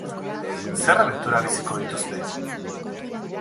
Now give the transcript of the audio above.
Zer abentura biziko dituzte?